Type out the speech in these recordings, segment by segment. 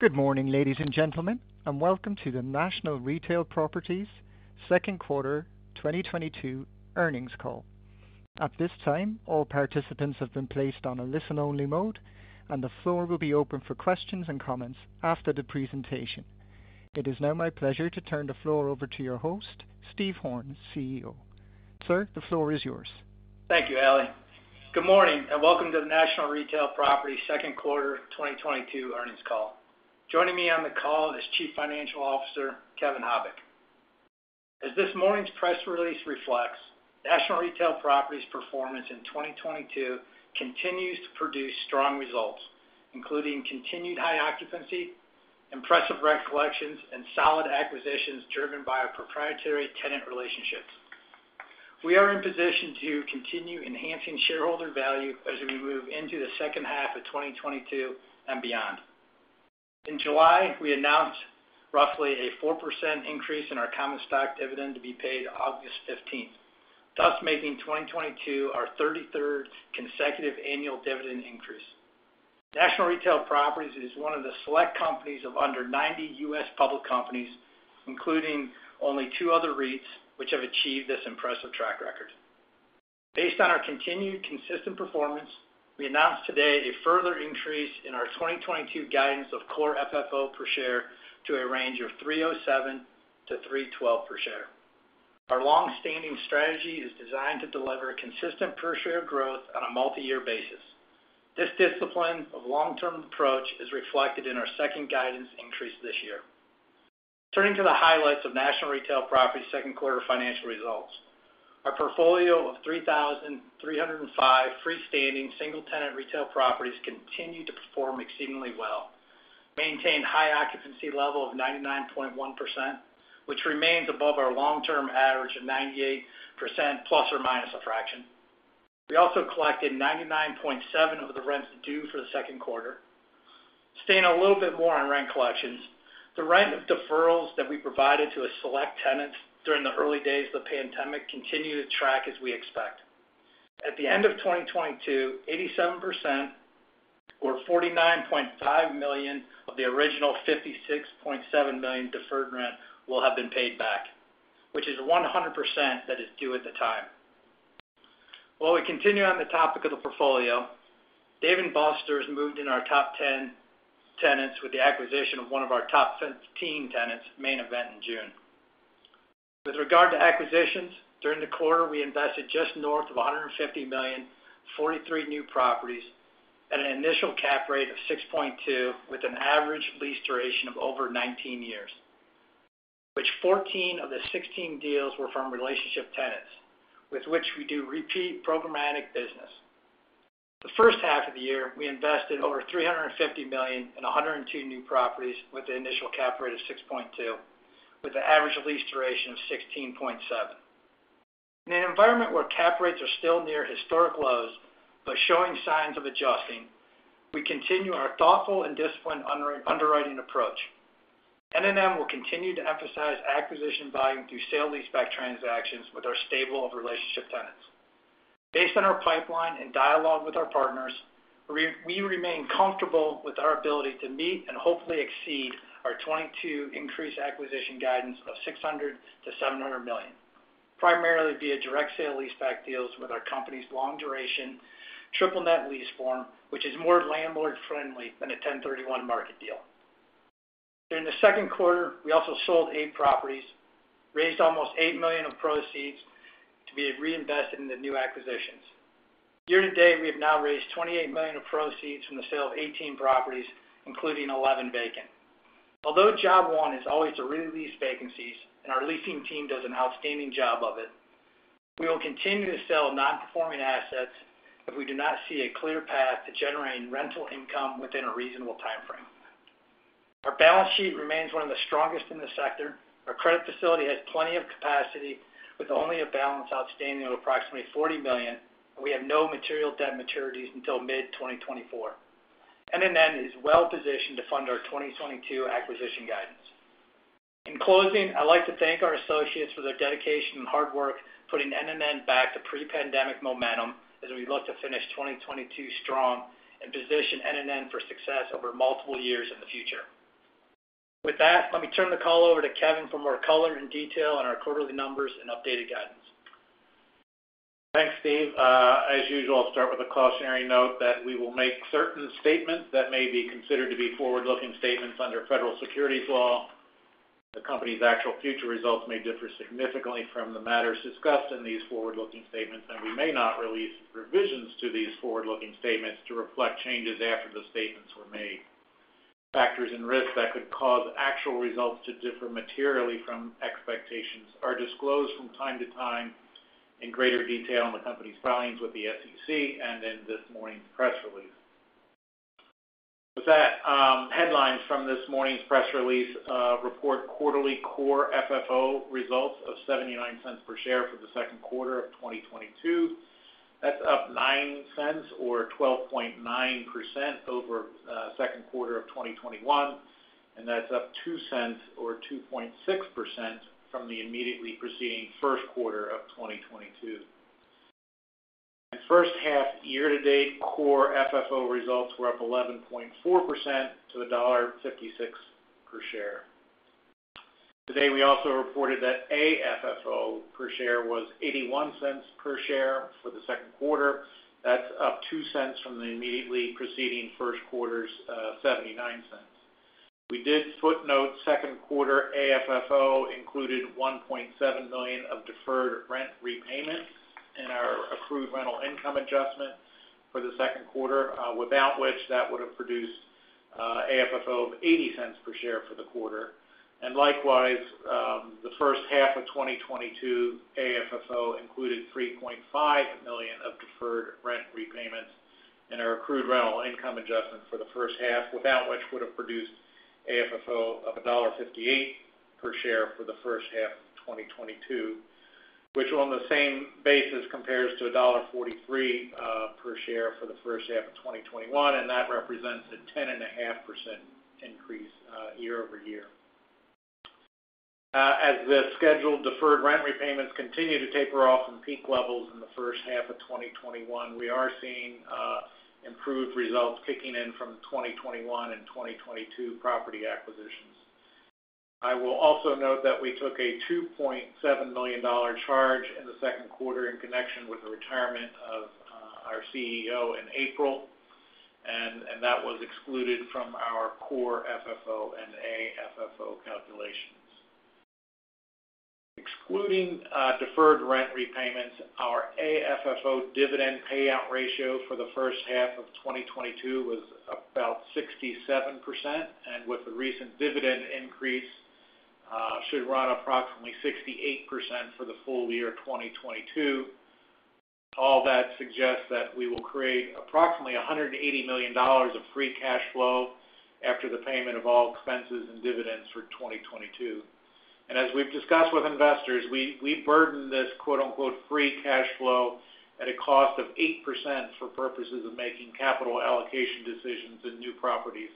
Good morning, ladies and gentlemen, and welcome to the National Retail Properties Second Quarter 2022 Earnings Call. At this time, all participants have been placed on a listen-only mode, and the floor will be open for questions and comments after the presentation. It is now my pleasure to turn the floor over to your host, Steve Horn, CEO. Sir, the floor is yours. Thank you, Ali. Good morning, and welcome to the National Retail Properties Second Quarter 2022 Earnings Call. Joining me on the call is Chief Financial Officer, Kevin Habicht. As this morning's press release reflects, National Retail Properties performance in 2022 continues to produce strong results, including continued high occupancy, impressive rent collections, and solid acquisitions driven by our proprietary tenant relationships. We are in position to continue enhancing shareholder value as we move into the second half of 2022 and beyond. In July, we announced roughly a 4% increase in our common stock dividend to be paid August 15th, thus making 2022 our 33rd consecutive annual dividend increase. National Retail Properties is one of the select companies of under 90 U.S. public companies, including only two other REITs which have achieved this impressive track record. Based on our continued consistent performance, we announced today a further increase in our 2022 guidance of Core FFO per share to a range of $3.07-$3.12 per share. Our long-standing strategy is designed to deliver consistent per share growth on a multi-year basis. This discipline of long-term approach is reflected in our second guidance increase this year. Turning to the highlights of National Retail Properties' second quarter financial results. Our portfolio of 3,305 freestanding single-tenant retail properties continued to perform exceedingly well, maintained high occupancy level of 99.1%, which remains above our long-term average of 98% plus or minus a fraction. We also collected 99.7% of the rents due for the second quarter. Staying a little bit more on rent collections. The rent deferrals that we provided to a select tenant during the early days of the pandemic continue to track as we expect. At the end of 2022, 87% or $49.5 million of the original $56.7 million deferred rent will have been paid back, which is 100% that is due at the time. While we continue on the topic of the portfolio, Dave & Buster's moved into our top 10 tenants with the acquisition of one of our top 15 tenants Main Event in June. With regard to acquisitions, during the quarter, we invested just north of $150 million, 43 new properties at an initial cap rate of 6.2% with an average lease duration of over 19 years. Of which 14 of the 16 deals were from relationship tenants, with which we do repeat programmatic business. The first half of the year, we invested over $350 million in 102 new properties with the initial cap rate of 6.2, with an average lease duration of 16.7. In an environment where cap rates are still near historic lows, but showing signs of adjusting, we continue our thoughtful and disciplined underwriting approach. NNN will continue to emphasize acquisition volume through sale leaseback transactions with our stable of relationship tenants. Based on our pipeline and dialogue with our partners, we remain comfortable with our ability to meet and hopefully exceed our 2022 acquisition guidance of $600 million-$700 million, primarily via direct sale leaseback deals with our company's long duration triple-net lease form, which is more landlord friendly than a 1031 market deal. During the second quarter, we also sold 8 properties, raised almost $8 million of proceeds to be reinvested in the new acquisitions. Year to date, we have now raised $28 million of proceeds from the sale of 18 properties, including 11 vacant. Although job one is always to re-lease vacancies, and our leasing team does an outstanding job of it, we will continue to sell non-performing assets if we do not see a clear path to generating rental income within a reasonable timeframe. Our balance sheet remains one of the strongest in the sector. Our credit facility has plenty of capacity with only a balance outstanding of approximately $40 million, and we have no material debt maturities until mid-2024. NNN is well positioned to fund our 2022 acquisition guidance. In closing, I'd like to thank our associates for their dedication and hard work putting NNN back to pre-pandemic momentum as we look to finish 2022 strong and position NNN for success over multiple years in the future. With that, let me turn the call over to Kevin for more color and detail on our quarterly numbers and updated guidance. Thanks, Steve. As usual, I'll start with a cautionary note that we will make certain statements that may be considered to be forward-looking statements under federal securities law. The company's actual future results may differ significantly from the matters discussed in these forward-looking statements, and we may not release revisions to these forward-looking statements to reflect changes after the statements were made. Factors and risks that could cause actual results to differ materially from expectations are disclosed from time to time in greater detail in the company's filings with the SEC and in this morning's press release. With that, headlines from this morning's press release report quarterly Core FFO results of $0.79 per share for the second quarter of 2022. That's up $0.09 or 12.9% over second quarter of 2021, and that's up $0.02 or 2.6% from the immediately preceding first quarter of 2022. The first half year-to-date Core FFO results were up 11.4% to $1.56 per share. Today, we also reported that AFFO per share was $0.81 per share for the second quarter. That's up $0.02 from the immediately preceding first quarter's $0.79. We did footnote second quarter AFFO included $1.7 million of deferred rent repayments in our accrued rental income adjustment for the second quarter, without which that would have produced AFFO of $0.80 per share for the quarter. The first half of 2022 AFFO included $3.5 million of deferred rent repayments in our accrued rental income adjustment for the first half, without which would have produced AFFO of $1.58 per share for the first half of 2022, which on the same basis compares to $1.43 per share for the first half of 2021, and that represents a 10.5% increase year-over-year. As the scheduled deferred rent repayments continue to taper off from peak levels in the first half of 2021, we are seeing improved results kicking in from 2021 and 2022 property acquisitions. I will also note that we took a $2.7 million charge in the second quarter in connection with the retirement of our CEO in April, and that was excluded from our Core FFO and AFFO calculations. Excluding deferred rent repayments, our AFFO dividend payout ratio for the first half of 2022 was about 67%, and with the recent dividend increase, should run approximately 68% for the full year 2022. All that suggests that we will create approximately $180 million of free cash flow after the payment of all expenses and dividends for 2022. As we've discussed with investors, we burden this quote-unquote free cash flow at a cost of 8% for purposes of making capital allocation decisions in new properties.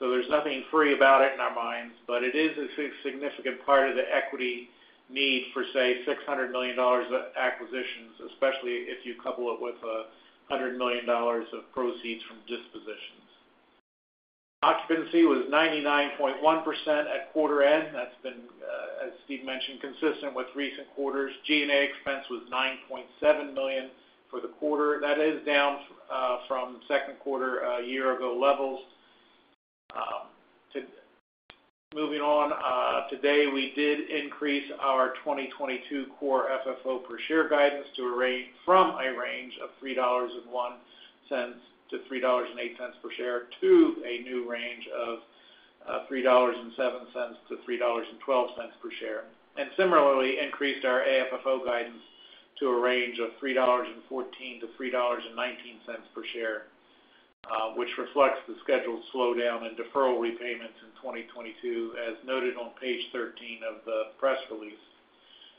There's nothing free about it in our minds, but it is a significant part of the equity need for, say, $600 million of acquisitions, especially if you couple it with $100 million of proceeds from dispositions. Occupancy was 99.1% at quarter end. That's been, as Steve mentioned, consistent with recent quarters. G&A expense was $9.7 million for the quarter. That is down from second quarter a year ago levels. Moving on, today, we did increase our 2022 Core FFO per share guidance from a range of $3.01-$3.08 per share to a new range of $3.07-$3.12 per share. Similarly, increased our AFFO guidance to a range of $3.14-$3.19 per share, which reflects the scheduled slowdown in deferral repayments in 2022, as noted on page 13 of the press release.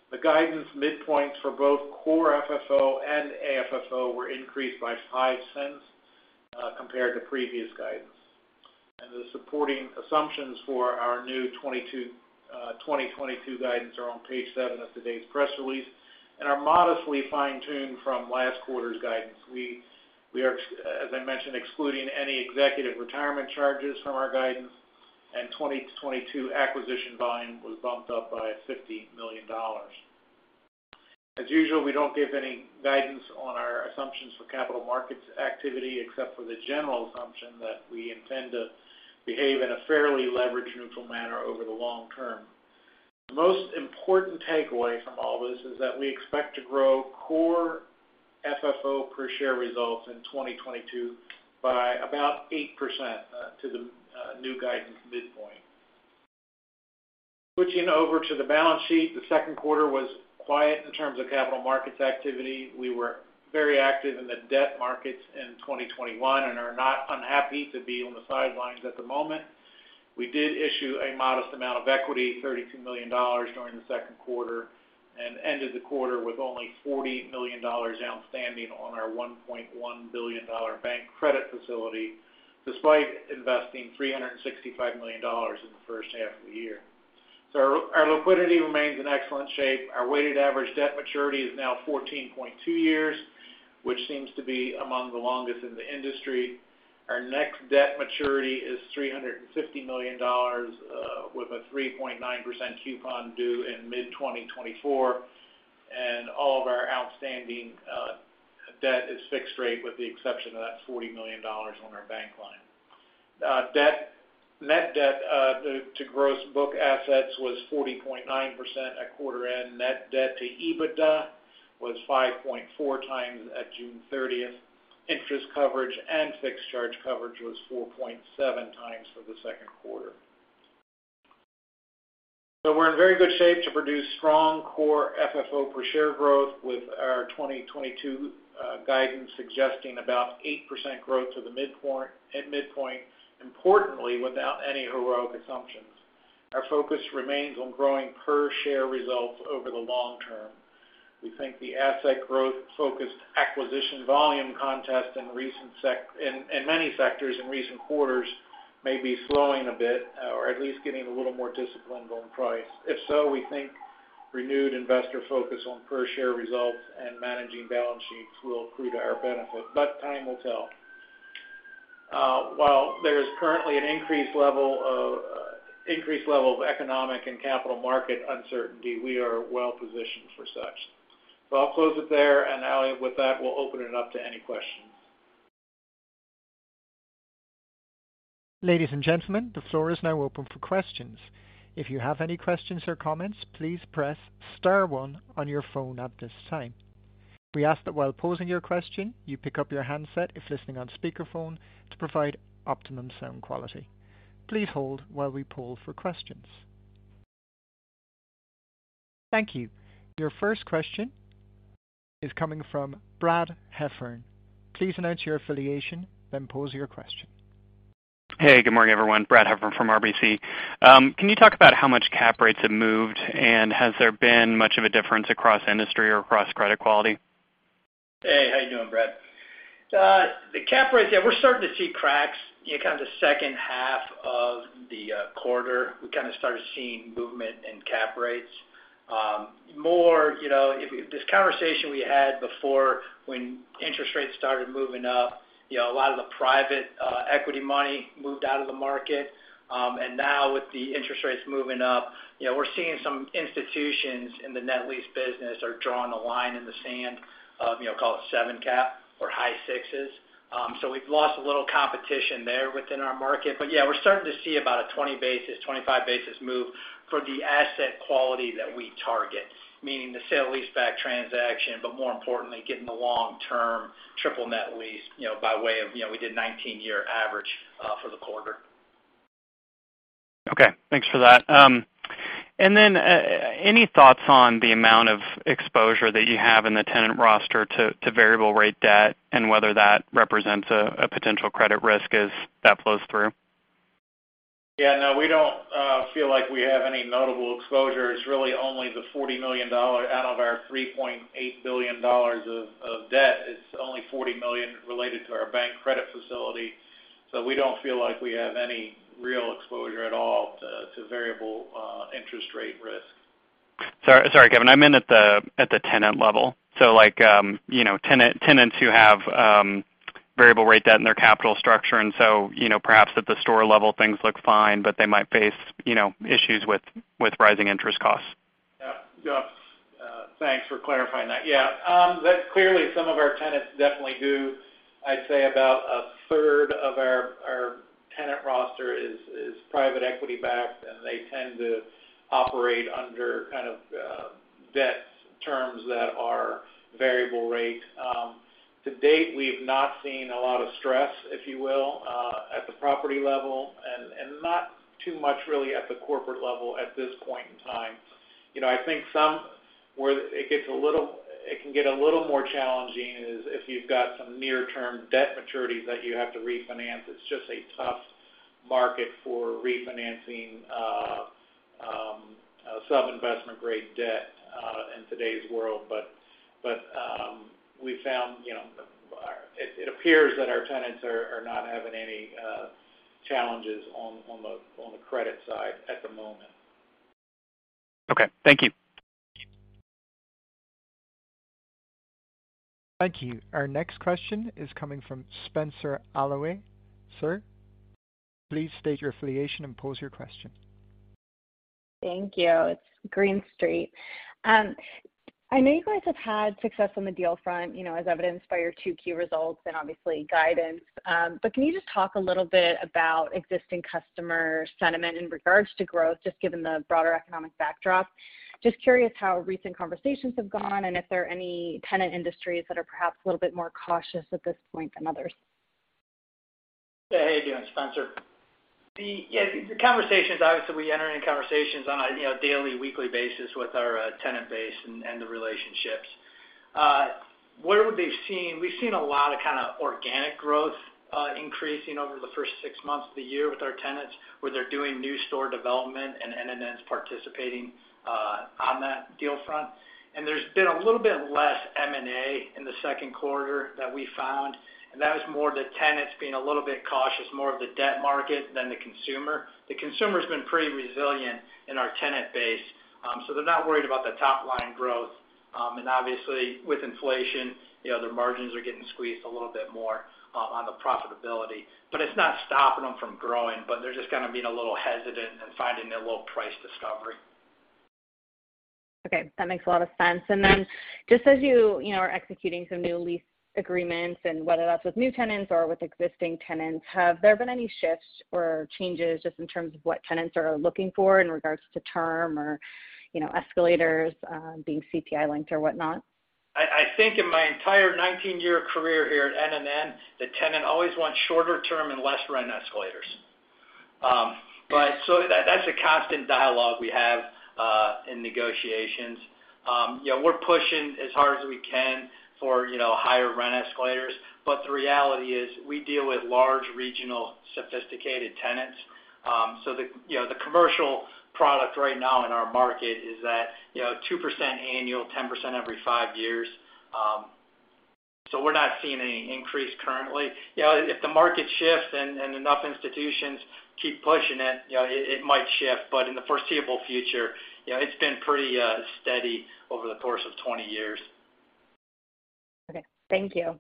The guidance midpoints for both Core FFO and AFFO were increased by $0.05, compared to previous guidance. The supporting assumptions for our new 2022 guidance are on page 7 of today's press release and are modestly fine-tuned from last quarter's guidance. We are excluding any executive retirement charges from our guidance, as I mentioned, and 2022 acquisition volume was bumped up by $50 million. As usual, we don't give any guidance on our assumptions for capital markets activity, except for the general assumption that we intend to behave in a fairly leverage-neutral manner over the long term. The most important takeaway from all this is that we expect to grow Core FFO per share results in 2022 by about 8% to the new guidance midpoint. Switching over to the balance sheet, the second quarter was quiet in terms of capital markets activity. We were very active in the debt markets in 2021 and are not unhappy to be on the sidelines at the moment. We did issue a modest amount of equity, $32 million, during the second quarter and ended the quarter with only $40 million outstanding on our $1.1 billion bank credit facility, despite investing $365 million in the first half of the year. Our liquidity remains in excellent shape. Our weighted average debt maturity is now 14.2 years, which seems to be among the longest in the industry. Our next debt maturity is $350 million with a 3.9% coupon due in mid-2024, and all of our outstanding debt is fixed rate with the exception of that $40 million on our bank line. Net debt to gross book assets was 40.9% at quarter end. Net debt to EBITDA was 5.4 times at June 30. Interest coverage and fixed charge coverage was 4.7 times for the second quarter. We're in very good shape to produce strong Core FFO per share growth with our 2022 guidance suggesting about 8% growth to the midpoint, at midpoint, importantly, without any heroic assumptions. Our focus remains on growing per share results over the long term. We think the asset growth-focused acquisition volume context in many sectors in recent quarters, maybe slowing a bit or at least getting a little more disciplined on price. If so, we think renewed investor focus on per share results and managing balance sheets will accrue to our benefit, but time will tell. While there is currently an increased level of economic and capital market uncertainty, we are well-positioned for such. I'll close it there, and, Ali, with that, we'll open it up to any questions. Ladies and gentlemen, the floor is now open for questions. If you have any questions or comments, please press star one on your phone at this time. We ask that while posing your question, you pick up your handset if listening on speakerphone to provide optimum sound quality. Please hold while we poll for questions. Thank you. Your first question is coming from Brad Heffern. Please announce your affiliation, then pose your question. Hey, good morning, everyone. Brad Heffern from RBC. Can you talk about how much cap rates have moved, and has there been much of a difference across industry or across credit quality? Hey, how you doing, Brad? The cap rates, yeah, we're starting to see cracks in kind of the second half of the quarter. We kind of started seeing movement in cap rates. More, you know, this conversation we had before when interest rates started moving up, you know, a lot of the private equity money moved out of the market. Now with the interest rates moving up, you know, we're seeing some institutions in the net lease business are drawing a line in the sand of, you know, call it 7 cap or high sixes. We've lost a little competition there within our market. Yeah, we're starting to see about a 20-25 basis move for the asset quality that we target, meaning the sale-leaseback transaction, but more importantly, getting the long-term triple-net lease, you know, by way of, you know, we did 19-year average for the quarter. Okay. Thanks for that. Any thoughts on the amount of exposure that you have in the tenant roster to variable rate debt and whether that represents a potential credit risk as that flows through? Yeah, no, we don't feel like we have any notable exposure. It's really only the $40 million out of our $3.8 billion of debt. It's only $40 million related to our bank credit facility. We don't feel like we have any real exposure at all to variable interest rate risk. Sorry, Kevin. I meant at the tenant level. Like, you know, tenants who have variable rate debt in their capital structure, and so, you know, perhaps at the store level, things look fine, but they might face issues with rising interest costs. Yeah. Yes. Thanks for clarifying that. Yeah. That's clearly some of our tenants definitely do. I'd say about a third of our tenant roster is private equity backed, and they tend to operate under kind of debt terms that are variable rate. To date, we've not seen a lot of stress, if you will, at the property level and not too much really at the corporate level at this point in time. You know, I think it can get a little more challenging is if you've got some near-term debt maturities that you have to refinance. It's just a tough market for refinancing sub-investment grade debt in today's world. We found, you know, it appears that our tenants are not having any challenges on the credit side at the moment. Okay. Thank you. Thank you. Our next question is coming from Spenser Allaway. Sir, please state your affiliation and pose your question. Thank you. It's Green Street. I know you guys have had success on the deal front, you know, as evidenced by your Q2 results and obviously guidance. Can you just talk a little bit about existing customer sentiment in regards to growth, just given the broader economic backdrop? Just curious how recent conversations have gone, and if there are any tenant industries that are perhaps a little bit more cautious at this point than others. Hey, how you doing, Spenser? Yeah, the conversations, obviously, we enter in conversations on a, you know, daily, weekly basis with our tenant base and the relationships. We've seen a lot of kind of organic growth increasing over the first six months of the year with our tenants, where they're doing new store development, and NNN's participating on that deal front. There's been a little bit less M&A in the second quarter that we found. That was more the tenants being a little bit cautious, more of the debt market than the consumer. The consumer's been pretty resilient in our tenant base. So they're not worried about the top line growth. And obviously, with inflation, you know, their margins are getting squeezed a little bit more on the profitability. But it's not stopping them from growing, but they're just kind of being a little hesitant and finding their little price discovery. Okay. That makes a lot of sense. Then just as you know, are executing some new lease agreements and whether that's with new tenants or with existing tenants, have there been any shifts or changes just in terms of what tenants are looking for in regards to term or, you know, escalators being CPI linked or whatnot? I think in my entire 19-year career here at NNN, the tenant always wants shorter term and less rent escalators. That's a constant dialogue we have in negotiations. You know, we're pushing as hard as we can for, you know, higher rent escalators. The reality is we deal with large regional sophisticated tenants. You know, the commercial product right now in our market is that, you know, 2% annual, 10% every 5 years. So we're not seeing any increase currently. You know, if the market shifts and enough institutions keep pushing it, you know, it might shift. In the foreseeable future, you know, it's been pretty steady over the course of 20 years. Okay. Thank you.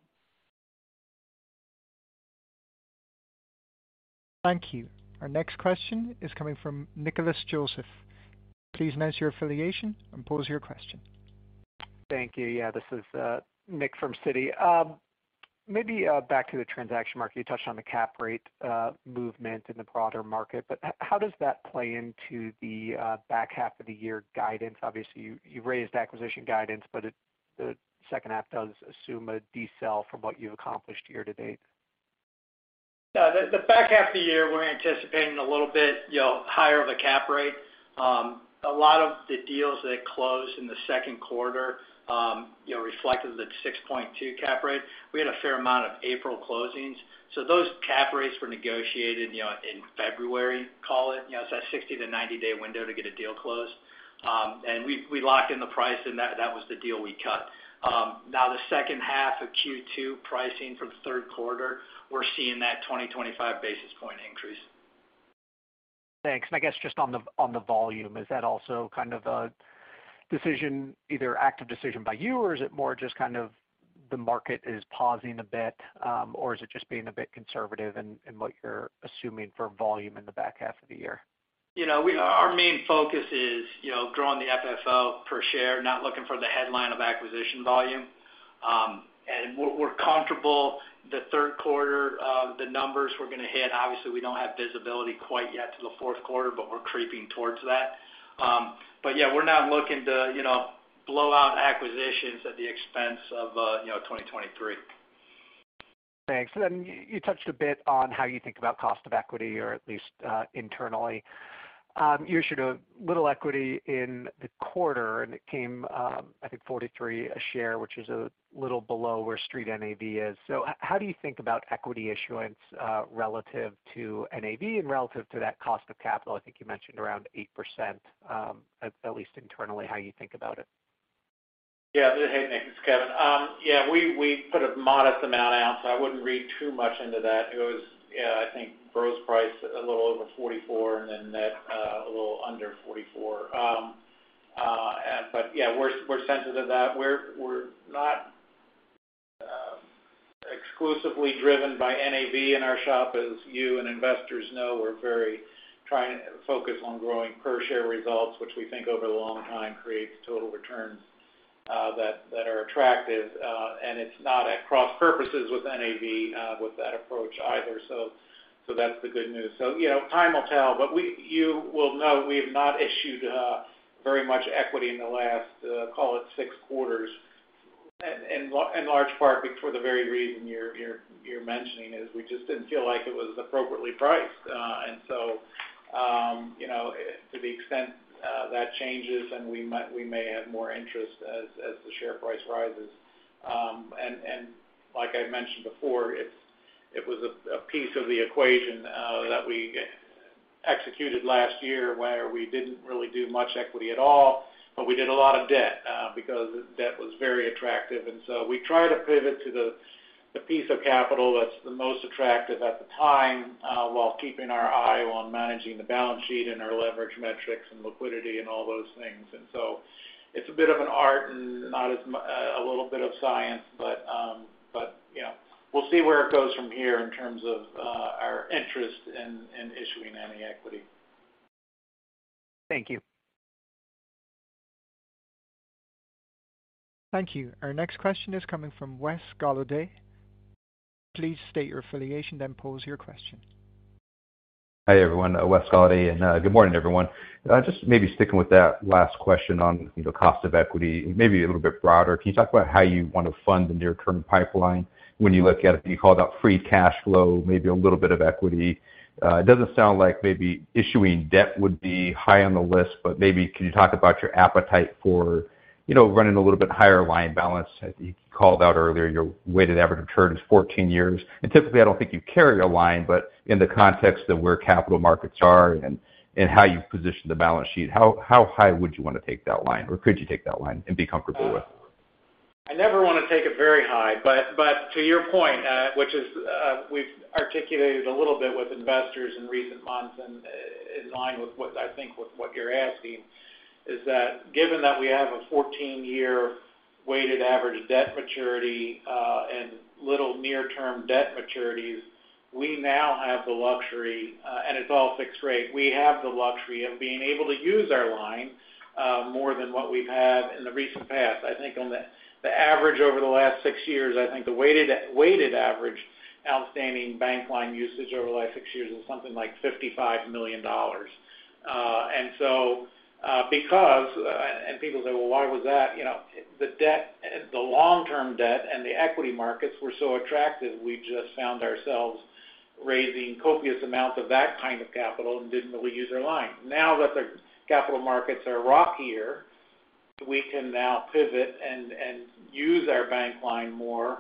Thank you. Our next question is coming from Nicholas Joseph. Please state your affiliation and pose your question. Thank you. Yeah, this is Nick from Citi. Maybe back to the transaction market. You touched on the cap rate movement in the broader market, but how does that play into the back half of the year guidance? Obviously, you raised acquisition guidance, but the second half does assume a decel from what you've accomplished year-to-date. Yeah. The back half of the year, we're anticipating a little bit, you know, higher of a cap rate. A lot of the deals that closed in the second quarter, you know, reflected the 6.2 cap rate. We had a fair amount of April closings, so those cap rates were negotiated, you know, in February, call it. You know, it's that 60- to 90-day window to get a deal closed. We locked in the price, and that was the deal we cut. Now the second half of Q2 pricing from third quarter, we're seeing that 20-25 basis point increase. Thanks. I guess just on the volume, is that also kind of a decision, either active decision by you, or is it more just kind of the market is pausing a bit, or is it just being a bit conservative in what you're assuming for volume in the back half of the year? You know, our main focus is, you know, growing the FFO per share, not looking for the headline of acquisition volume. We're comfortable with the third quarter numbers we're gonna hit. Obviously, we don't have visibility quite yet to the fourth quarter, but we're creeping towards that. Yeah, we're not looking to, you know, blow out acquisitions at the expense of, you know, 2023. Thanks. You touched a bit on how you think about cost of equity, or at least, internally. You issued a little equity in the quarter, and it came, I think $43 a share, which is a little below where street NAV is. How do you think about equity issuance, relative to NAV and relative to that cost of capital? I think you mentioned around 8%, at least internally, how you think about it. Yeah. Hey, Nick, it's Kevin. Yeah, we put a modest amount out, so I wouldn't read too much into that. It was. Yeah, I think gross price a little over 44 and then net a little under 44. But yeah, we're sensitive to that. We're not exclusively driven by NAV in our shop. As you and investors know, we're very trying to focus on growing per share results, which we think over a long time creates total returns that are attractive. It's not at cross purposes with NAV with that approach either. That's the good news. You know, time will tell, but you will know, we have not issued very much equity in the last call it 6 quarters. In large part for the very reason you're mentioning is we just didn't feel like it was appropriately priced. You know, to the extent that changes then we may have more interest as the share price rises. Like I mentioned before, it was a piece of the equation that we executed last year where we didn't really do much equity at all, but we did a lot of debt because debt was very attractive. We try to pivot to the piece of capital that's the most attractive at the time while keeping our eye on managing the balance sheet and our leverage metrics and liquidity and all those things. It's a bit of an art and a little bit of science, but you know, we'll see where it goes from here in terms of our interest in issuing any equity. Thank you. Thank you. Our next question is coming from Wes Golladay. Please state your affiliation then pose your question. Hi, everyone. Wes Golladay. Good morning, everyone. Just maybe sticking with that last question on, you know, cost of equity, maybe a little bit broader. Can you talk about how you wanna fund the near-term pipeline when you look at, you called out free cash flow, maybe a little bit of equity? It doesn't sound like maybe issuing debt would be high on the list, but maybe can you talk about your appetite for, you know, running a little bit higher line balance? You called out earlier your weighted average term is 14 years. Typically, I don't think you carry a line, but in the context of where capital markets are and how you position the balance sheet, how high would you wanna take that line or could you take that line and be comfortable with? I never wanna take it very high. To your point, which is, we've articulated a little bit with investors in recent months and, in line with what I think with what you're asking is that given that we have a 14-year weighted average debt maturity, and little near-term debt maturities, we now have the luxury, and it's all fixed rate. We have the luxury of being able to use our line, more than what we've had in the recent past. I think on the average over the last six years, I think the weighted average outstanding bank line usage over the last six years was something like $55 million. Because people say, "Well, why was that?" You know, the debt, the long-term debt and the equity markets were so attractive, we just found ourselves raising copious amounts of that kind of capital and didn't really use our line. Now that the capital markets are rockier, we can pivot and use our bank line more.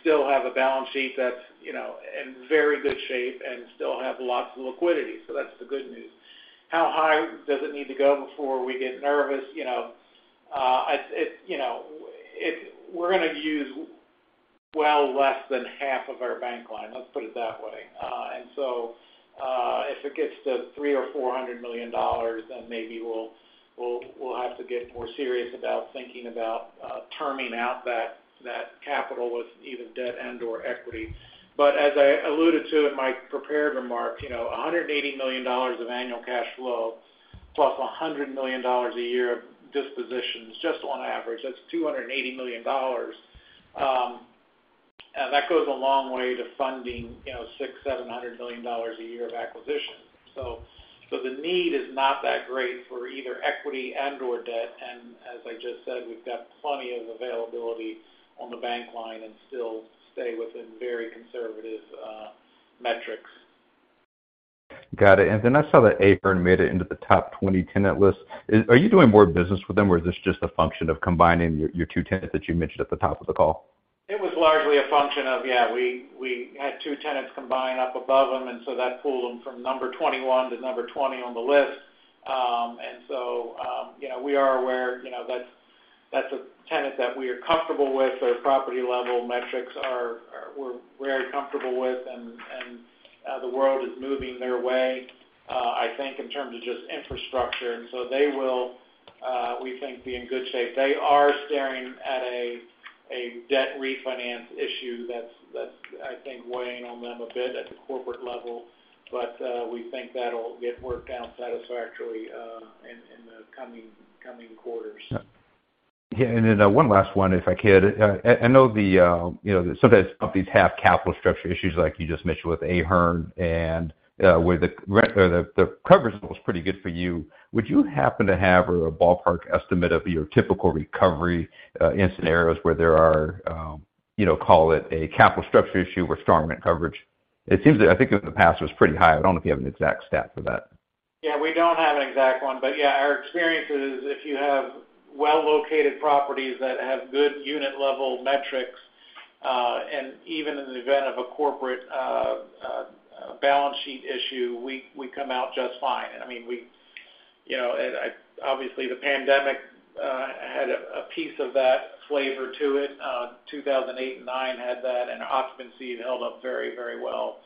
Still have a balance sheet that's, you know, in very good shape and still have lots of liquidity. That's the good news. How high does it need to go before we get nervous? You know, we're gonna use well less than half of our bank line. Let's put it that way. If it gets to $300 million-$400 million, then maybe we'll have to get more serious about thinking about terming out that capital with either debt and/or equity. As I alluded to in my prepared remarks, you know, $180 million of annual cash flow plus $100 million a year of dispositions, just on average, that's $280 million, and that goes a long way to funding, you know, $600 million-$700 million a year of acquisition. The need is not that great for either equity and/or debt. As I just said, we've got plenty of availability on the bank line and still stay within very conservative metrics. Got it. I saw that Ahern made it into the top 20 tenant list. Are you doing more business with them or is this just a function of combining your two tenants that you mentioned at the top of the call? It was largely a function of. Yeah, we had two tenants combine up above them, and so that pulled them from number 21 to number 20 on the list. You know, we are aware, you know, that's a tenant that we are comfortable with. Their property-level metrics are. We're very comfortable with, and the world is moving their way, I think in terms of just infrastructure. They will, we think, be in good shape. They are staring at a debt refinance issue that's I think weighing on them a bit at the corporate level, but we think that'll get worked out satisfactorily, in the coming quarters. Yeah. Then, one last one, if I could. I know the, you know, sometimes companies have capital structure issues like you just mentioned with Ahern and where the coverage looks pretty good for you. Would you happen to have a ballpark estimate of your typical recovery in scenarios where there are, you know, call it a capital structure issue with strong rent coverage? It seems that I think in the past it was pretty high. I don't know if you have an exact stat for that. Yeah, we don't have an exact one. Yeah, our experience is if you have well-located properties that have good unit-level metrics, and even in the event of a corporate balance sheet issue, we come out just fine. I mean, You know, obviously the pandemic had a piece of that flavor to it. 2008 and 2009 had that, and occupancy held up very, very well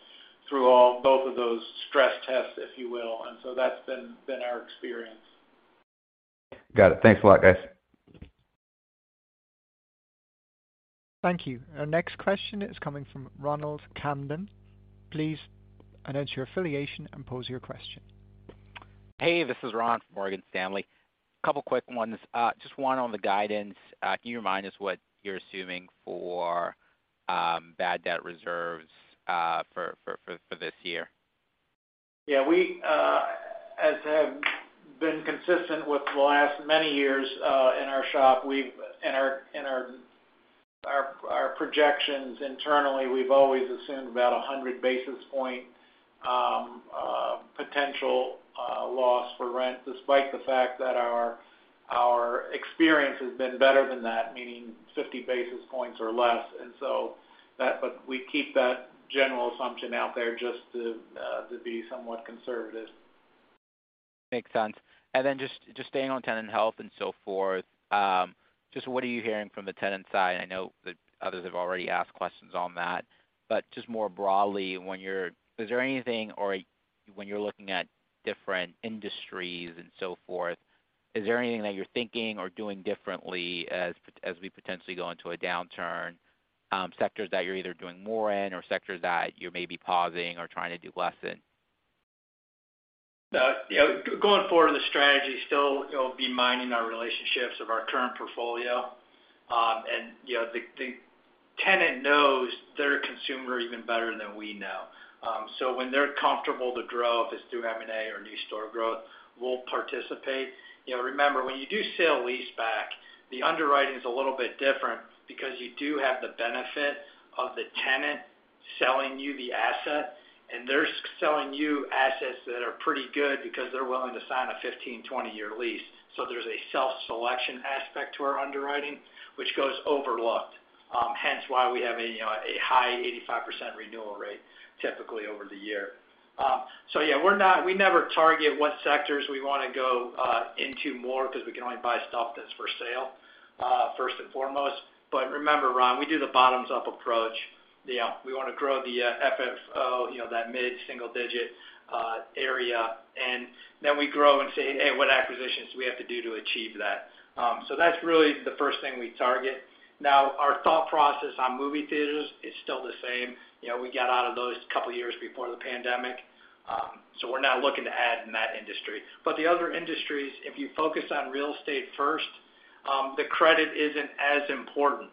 through all both of those stress tests, if you will. That's been our experience. Got it. Thanks a lot, guys. Thank you. Our next question is coming from Ronald Kamdem. Please announce your affiliation and pose your question. Hey, this is Ron from Morgan Stanley. Couple quick ones. Just one on the guidance. Can you remind us what you're assuming for bad debt reserves for this year? Yeah. We as have been consistent with the last many years in our shop, in our projections internally, we've always assumed about 100 basis points potential loss for rent, despite the fact that our experience has been better than that, meaning 50 basis points or less. We keep that general assumption out there just to be somewhat conservative. Makes sense. Just staying on tenant health and so forth, just what are you hearing from the tenant side? I know that others have already asked questions on that. Just more broadly, when you're looking at different industries and so forth, is there anything that you're thinking or doing differently as we potentially go into a downturn, sectors that you're either doing more in or sectors that you're maybe pausing or trying to do less in? You know, going forward, the strategy still, it'll be mining our relationships of our current portfolio. You know, the tenant knows their consumer even better than we know. So when they're comfortable to grow if it's through M&A or new store growth, we'll participate. You know, remember, when you do sale-leaseback, the underwriting is a little bit different because you do have the benefit of the tenant selling you the asset, and they're selling you assets that are pretty good because they're willing to sign a 15-20-year lease. So there's a self-selection aspect to our underwriting, which goes overlooked, hence why we have a high 85% renewal rate typically over the year. Yeah, we never target what sectors we wanna go into more because we can only buy stuff that's for sale first and foremost. But remember, Ron, we do the bottoms-up approach. You know, we wanna grow the FFO, you know, that mid-single digit area, and then we grow and say, "Hey, what acquisitions do we have to do to achieve that?" That's really the first thing we target. Now, our thought process on movie theaters is still the same. You know, we got out of those a couple of years before the pandemic. We're not looking to add in that industry. The other industries, if you focus on real estate first, the credit isn't as important.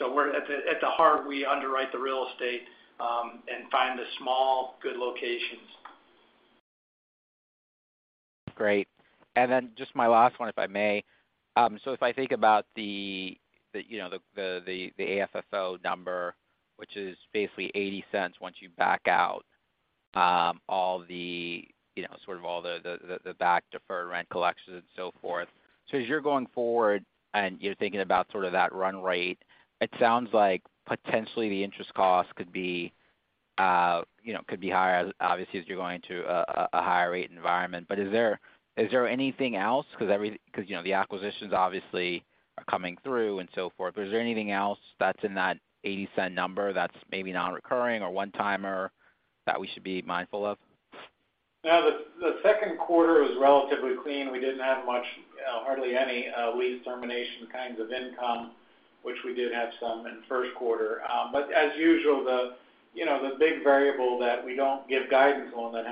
We're at the heart, we underwrite the real estate and find the small good locations. Great. Just my last one, if I may. If I think about the, you know, the AFFO number, which is basically $0.80 once you back out all the, you know, sort of all the back deferred rent collections and so forth. As you're going forward, and you're thinking about sort of that run rate, it sounds like potentially the interest cost could be, you know, could be higher, obviously, as you're going to a higher rate environment. Is there anything else? Because, you know, the acquisitions obviously are coming through and so forth. Is there anything else that's in that $0.80 number that's maybe non-recurring or one-timer that we should be mindful of? No. The second quarter was relatively clean. We didn't have much, hardly any, lease termination kinds of income, which we did have some in first quarter. As usual, you know, the big variable that we don't give guidance on that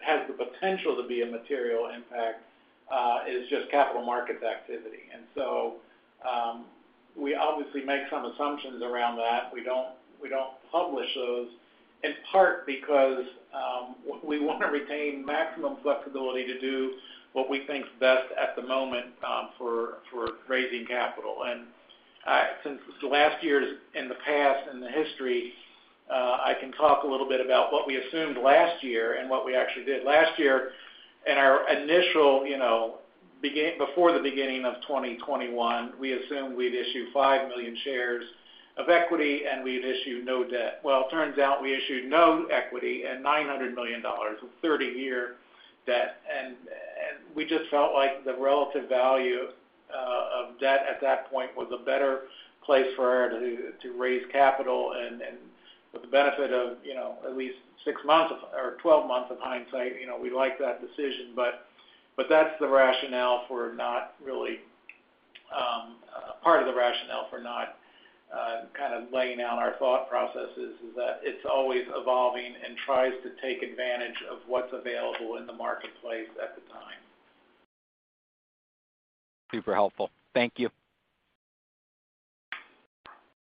has the potential to be a material impact is just capital markets activity. We obviously make some assumptions around that. We don't publish those, in part because we wanna retain maximum flexibility to do what we think is best at the moment for raising capital. Since the last year's in the past and the history, I can talk a little bit about what we assumed last year and what we actually did. Last year, in our initial, you know, before the beginning of 2021, we assumed we'd issue 5 million shares of equity, and we'd issue no debt. Well, it turns out we issued no equity and $900 million of 30-year debt. We just felt like the relative value of debt at that point was a better place to raise capital and with the benefit of, you know, at least 6 months or 12 months of hindsight, you know, we like that decision. That's the rationale for not really part of the rationale for not kind of laying out our thought processes is that it's always evolving and tries to take advantage of what's available in the marketplace at the time. Super helpful. Thank you.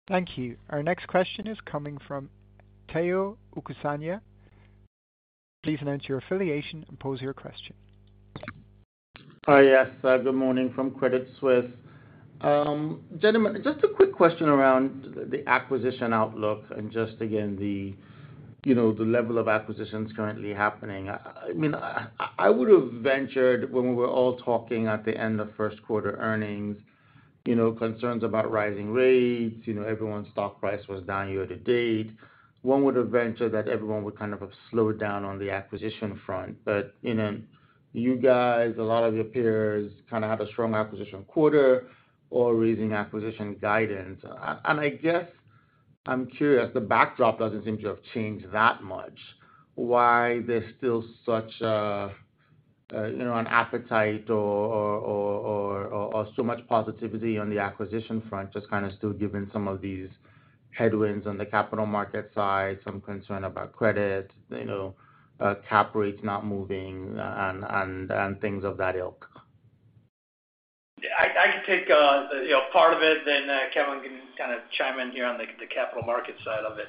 Thank you. Our next question is coming from Tayo Okusanya. Please state your affiliation and pose your question. Hi. Yes, good morning from Credit Suisse. Gentlemen, just a quick question around the acquisition outlook and just again, you know, the level of acquisitions currently happening. I mean, I would've ventured when we were all talking at the end of first quarter earnings, you know, concerns about rising rates. You know, everyone's stock price was down year to date. One would venture that everyone would kind of slow down on the acquisition front. You know, you guys, a lot of your peers kind of have a strong acquisition quarter or raising acquisition guidance. I guess, I'm curious, the backdrop doesn't seem to have changed that much. Why there's still such a, you know, an appetite or so much positivity on the acquisition front, just kind of still given some of these headwinds on the capital market side, some concern about credit, you know, cap rates not moving, and things of that ilk. I could take, you know, part of it, then Kevin can kind of chime in here on the capital market side of it.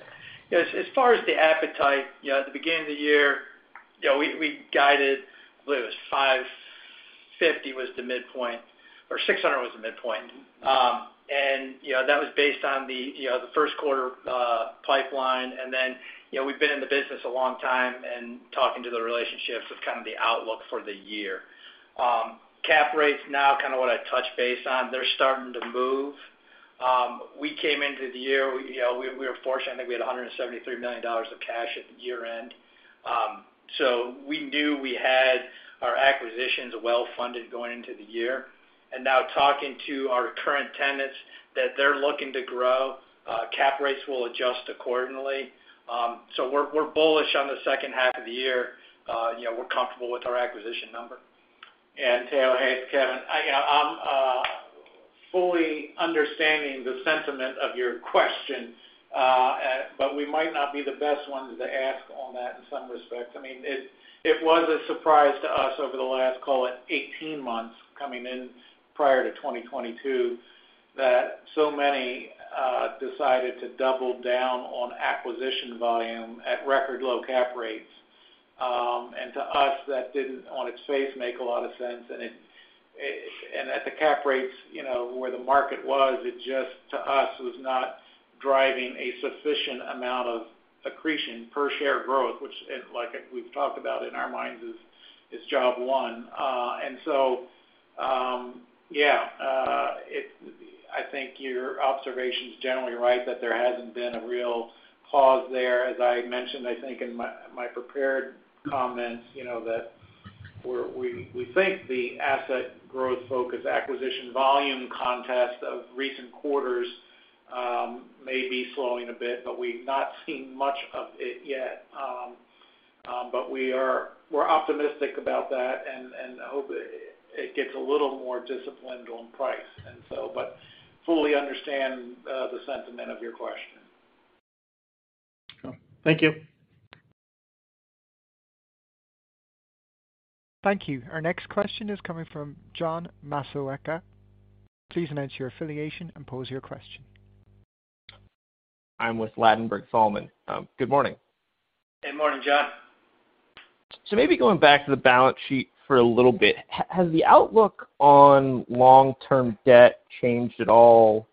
As far as the appetite, you know, at the beginning of the year, you know, we guided, I believe it was $550 million was the midpoint, or $600 million was the midpoint. That was based on the, you know, the first quarter pipeline. Then, you know, we've been in the business a long time and talking to the relationships with kind of the outlook for the year. Cap rates now kind of what I touched base on. They're starting to move. We came into the year, you know, we were fortunate. I think we had $173 million of cash at year-end. We knew we had our acquisitions well funded going into the year. Now talking to our current tenants that they're looking to grow, cap rates will adjust accordingly. We're bullish on the second half of the year. You know, we're comfortable with our acquisition number. Tayo, hey, it's Kevin. You know, I'm fully understanding the sentiment of your question. But we might not be the best ones to ask on that in some respects. I mean, it was a surprise to us over the last, call it, 18 months coming in prior to 2022, that so many decided to double down on acquisition volume at record low cap rates. To us, that didn't, on its face, make a lot of sense. At the cap rates, you know, where the market was, it just, to us, was not driving a sufficient amount of accretion per share growth, which, like we've talked about in our minds, is job one. Yeah, I think your observation's generally right that there hasn't been a real pause there. As I mentioned, I think in my prepared comments, you know, that we think the asset growth focus, acquisition volume context of recent quarters may be slowing a bit, but we've not seen much of it yet. We're optimistic about that and hope it gets a little more disciplined on price. Fully understand the sentiment of your question. Thank you. Thank you. Our next question is coming from John Massocca. Please state your affiliation and pose your question. I'm with Ladenburg Thalmann. Good morning. Good morning, John. Maybe going back to the balance sheet for a little bit. Has the outlook on long-term debt changed at all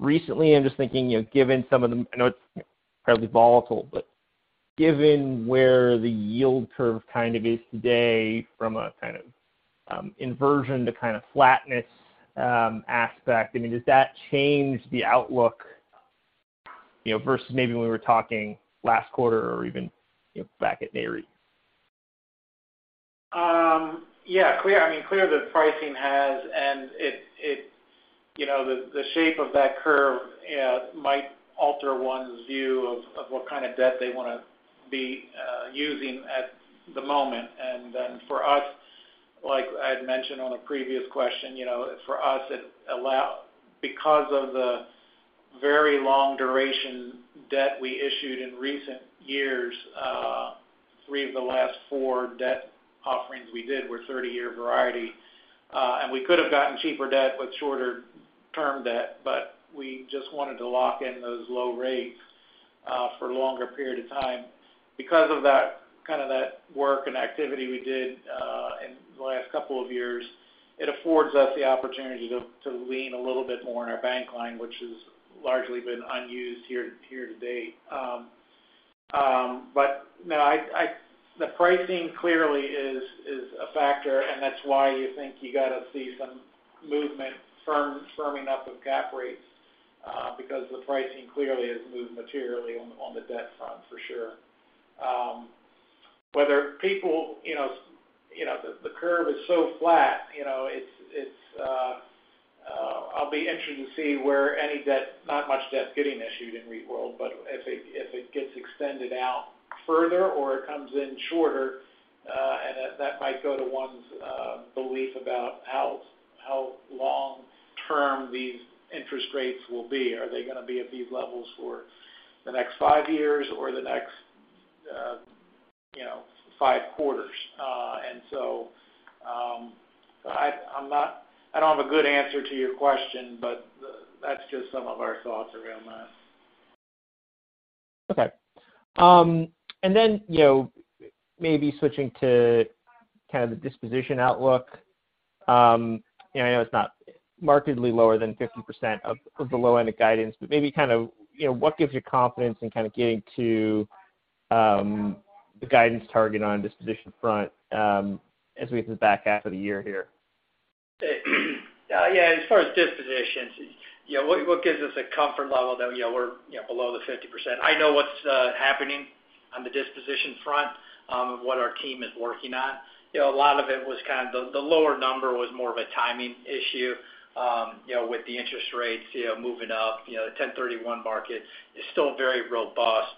recently? I'm just thinking, you know, given some of the I know it's fairly volatile, but given where the yield curve kind of is today from a kind of inversion to kind of flatness aspect, I mean, does that change the outlook, you know, versus maybe when we were talking last quarter or even, you know, back at NAREIT? Yeah. I mean, it's clear that pricing has changed, and the shape of that curve might alter one's view of what kind of debt they wanna be using at the moment. For us, like I'd mentioned on a previous question, you know, for us it allows because of the very long duration debt we issued in recent years, 3 of the last 4 debt offerings we did were 30-year variety. We could have gotten cheaper debt with shorter term debt, but we just wanted to lock in those low rates for a longer period of time. Because of that, kind of that work and activity we did in the last couple of years, it affords us the opportunity to lean a little bit more on our bank line, which has largely been unused here to date. No, the pricing clearly is a factor, and that's why you think you gotta see some movement firming up of cap rates, because the pricing clearly has moved materially on the debt front for sure. Whether people, you know, the curve is so flat, you know, it's. I'll be interested to see where any debt, not much debt getting issued in REIT world, but if it gets extended out further or it comes in shorter, and that might go to one's belief about how long-term these interest rates will be. Are they gonna be at these levels for the next five years or the next, you know, five quarters? I don't have a good answer to your question, but that's just some of our thoughts around that. Okay. You know, maybe switching to kind of the disposition outlook. You know, I know it's not markedly lower than 50% of the low-end guidance, but maybe kind of, you know, what gives you confidence in kind of getting to the guidance target on disposition front, as we get to the back half of the year here? Yeah, as far as dispositions, you know, what gives us a comfort level that, you know, we're, you know, below the 50%. I know what's happening on the disposition front, and what our team is working on. You know, a lot of it was kind of the lower number was more of a timing issue, you know, with the interest rates, you know, moving up. You know, the 1031 market is still very robust,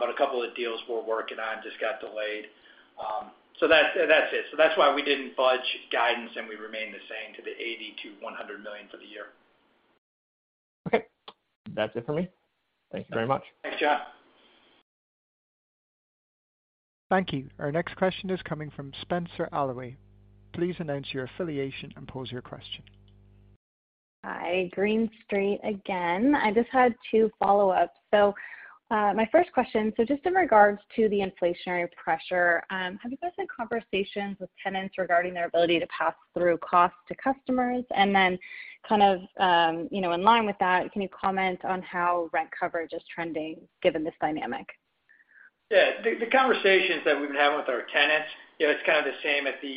but a couple of deals we're working on just got delayed. So that's it. That's why we didn't budge guidance and we remained the same to the $80 million-$100 million for the year. Okay. That's it for me. Thank you very much. Thanks, John. Thank you. Our next question is coming from Spenser Allaway. Please announce your affiliation and pose your question. Hi, Green Street again. I just had two follow-ups. My first question, just in regards to the inflationary pressure, have you guys had conversations with tenants regarding their ability to pass through costs to customers? Then kind of, you know, in line with that, can you comment on how rent coverage is trending given this dynamic? Yeah. The conversations that we've been having with our tenants, you know, it's kind of the same at the,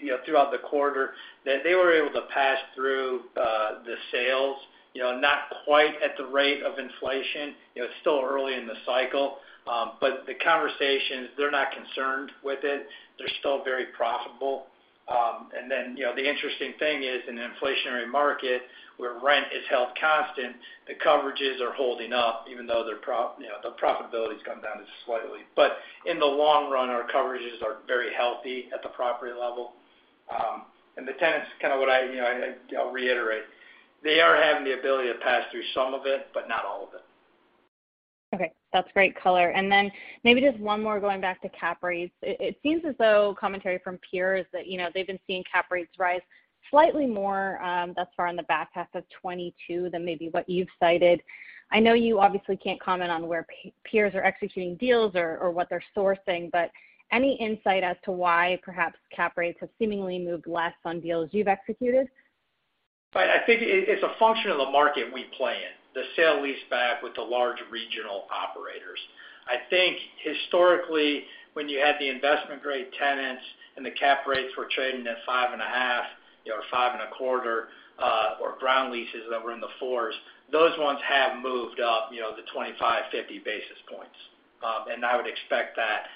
you know, throughout the quarter, that they were able to pass through the sales, you know, not quite at the rate of inflation. You know, it's still early in the cycle. The conversations, they're not concerned with it. They're still very profitable. The interesting thing is in an inflationary market where rent is held constant, the coverages are holding up even though their profitability's gone down just slightly. In the long run, our coverages are very healthy at the property level. The tenants, kind of what I, you know, I'll reiterate, they are having the ability to pass through some of it, but not all of it. Okay, that's great color. Then maybe just one more going back to cap rates. It seems as though commentary from peers that, you know, they've been seeing cap rates rise slightly more, thus far in the back half of 2022 than maybe what you've cited. I know you obviously can't comment on where peers are executing deals or what they're sourcing, but any insight as to why perhaps cap rates have seemingly moved less on deals you've executed? I think it's a function of the market we play in, the sale-leaseback with the large regional operators. I think historically when you had the investment grade tenants and the cap rates were trading at 5.5%, you know, 5.25%, or ground leases that were in the 4s%, those ones have moved up, you know, 25-50 basis points. I would expect that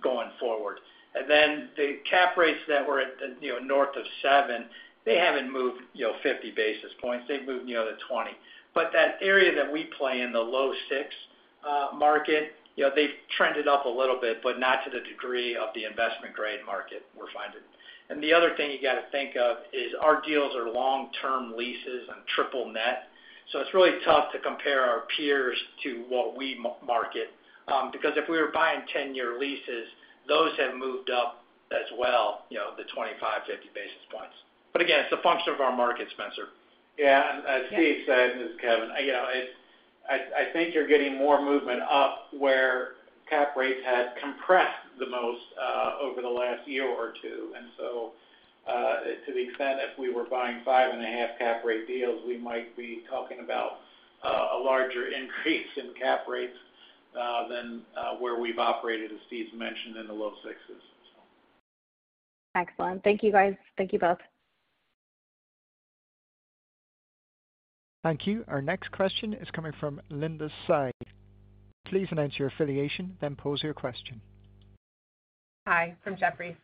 going forward. Then the cap rates that were at, you know, north of 7%, they haven't moved, you know, 50 basis points. They've moved, you know, to 20. That area that we play in, the low 6% market, you know, they've trended up a little bit, but not to the degree of the investment grade market we're finding. The other thing you gotta think of is our deals are long-term leases on triple net. It's really tough to compare our peers to what we market, because if we were buying ten-year leases, those have moved up as well, you know, the 25-50 basis points. But again, it's a function of our market, Spenser. Yeah. As Steve said, this is Kevin. You know, it's I think you're getting more movement up where cap rates had compressed the most over the last year or two. To the extent if we were buying 5.5 cap rate deals, we might be talking about a larger increase in cap rates than where we've operated, as Steve's mentioned, in the low sixes. Excellent. Thank you, guys. Thank you both. Thank you. Our next question is coming from Linda Tsai. Please announce your affiliation, then pose your question. Hi, from Jefferies.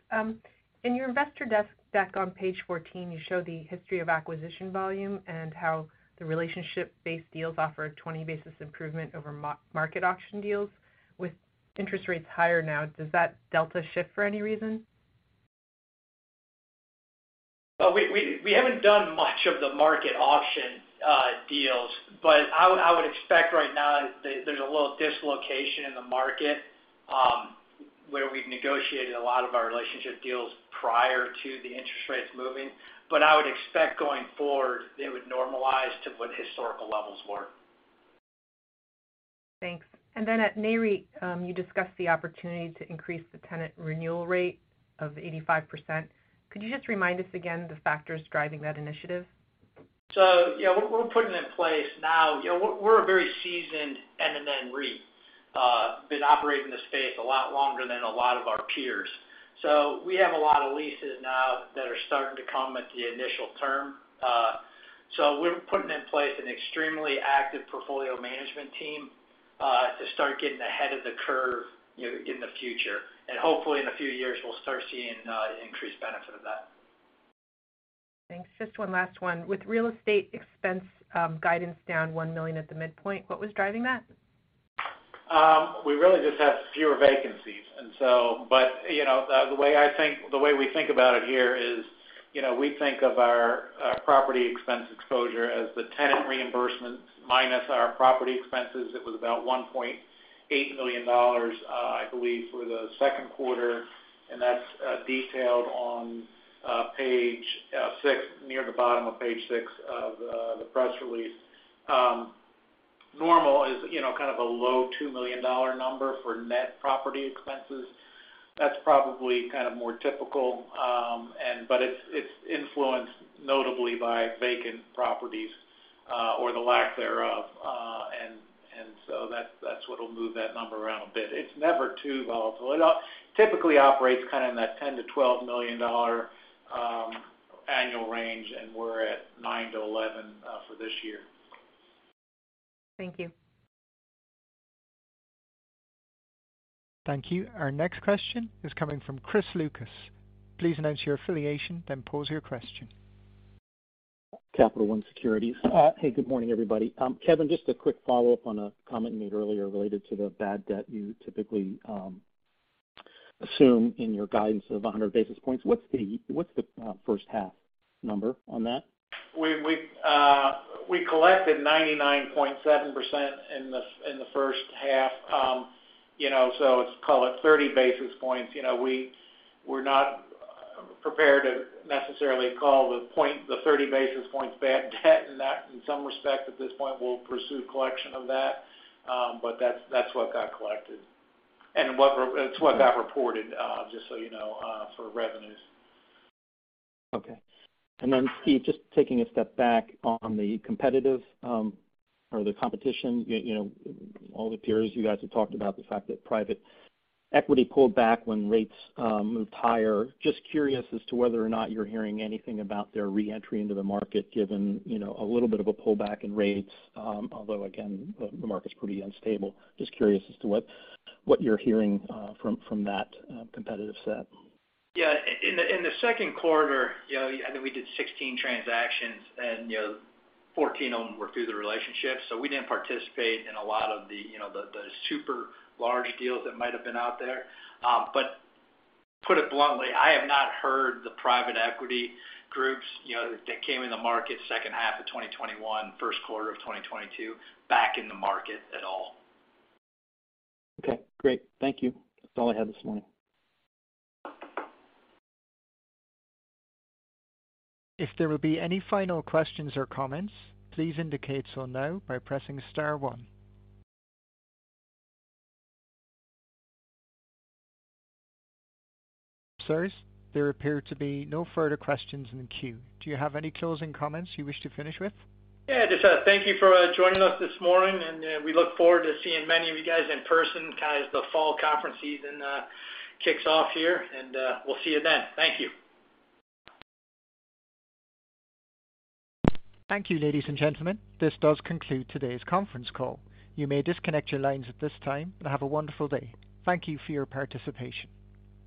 In your investor deck on page 14, you show the history of acquisition volume and how the relationship-based deals offer a 20 basis improvement over market auction deals. With interest rates higher now, does that delta shift for any reason? We haven't done much of the market auction deals, but I would expect right now there's a little dislocation in the market, where we've negotiated a lot of our relationship deals prior to the interest rates moving. I would expect going forward, they would normalize to what historical levels were. Thanks. At NAREIT, you discussed the opportunity to increase the tenant renewal rate of 85%. Could you just remind us again the factors driving that initiative? Yeah, we're putting in place now. You know, we're a very seasoned NNN REIT. We've been operating the space a lot longer than a lot of our peers. We have a lot of leases now that are starting to come at the initial term. We're putting in place an extremely active portfolio management team to start getting ahead of the curve, you know, in the future. Hopefully, in a few years, we'll start seeing increased benefit of that. Thanks. Just one last one. With real estate expense guidance down $1 million at the midpoint, what was driving that? We really just have fewer vacancies. You know, the way we think about it here is, you know, we think of our property expense exposure as the tenant reimbursements minus our property expenses. It was about $1.8 million, I believe, for the second quarter, and that's detailed on page six, near the bottom of page six of the press release. Normal is, you know, kind of a low $2 million number for net property expenses. That's probably kind of more typical, and it's influenced notably by vacant properties or the lack thereof. That's what'll move that number around a bit. It's never too volatile. It typically operates kind of in that $10 million-$12 million annual range, and we're at $9 million-$11 million for this year. Thank you. Thank you. Our next question is coming from Chris Lucas. Please announce your affiliation, then pose your question. Capital One Securities. Hey, good morning, everybody. Kevin, just a quick follow-up on a comment you made earlier related to the bad debt you typically assume in your guidance of 100 basis points. What's the first half number on that? We collected 99.7% in the first half. You know, so let's call it 30 basis points. You know, we're not prepared to necessarily call that 30 basis points bad debt in some respect at this point, we'll pursue collection of that. But that's what got collected. It's what got reported, just so you know, for revenues. Okay. Steve, just taking a step back on the competitive, or the competition, you know, all the peers, you guys have talked about the fact that private equity pulled back when rates moved higher. Just curious as to whether or not you're hearing anything about their re-entry into the market, given you know, a little bit of a pullback in rates, although again, the market's pretty unstable. Just curious as to what you're hearing from that competitive set. Yeah. In the second quarter, you know, I think we did 16 transactions and, you know, 14 of them were through the relationships, so we didn't participate in a lot of the, you know, the super large deals that might have been out there. But put it bluntly, I have not heard the private equity groups, you know, that came in the market second half of 2021, first quarter of 2022 back in the market at all. Okay, great. Thank you. That's all I had this morning. If there will be any final questions or comments, please indicate so now by pressing star one. Sirs, there appear to be no further questions in the queue. Do you have any closing comments you wish to finish with? Yeah. Just, thank you for joining us this morning, and, we look forward to seeing many of you guys in person kind of as the fall conference season kicks off here, and, we'll see you then. Thank you. Thank you, ladies and gentlemen. This does conclude today's conference call. You may disconnect your lines at this time, and have a wonderful day. Thank you for your participation.